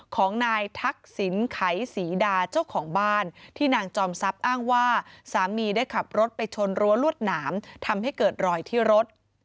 ของนายทักษิณไขศรีดาเจ้าของบ้านที่นางจอมทรัพย์อ้างว่าสามีได้ขับรถไปชนรั้วลวดหนามทำให้เกิดรอยที่รถ